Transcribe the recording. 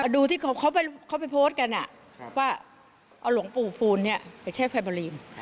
ดูที่เขาไปโพสต์กันว่าเอาหลวงปู่ภูลไปใช้ไฟเบอร์รีน